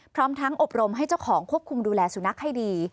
พร้อมทั้งอบรมให้เจ้าของควบคุมดูแลสุนัขให้ดี